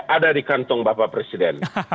ada di kantong bapak presiden